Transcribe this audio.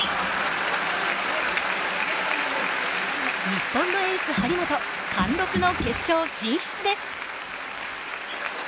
日本のエース張本貫禄の決勝進出です。